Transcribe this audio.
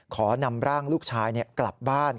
ขอนำร่างลูกชายกลับบ้าน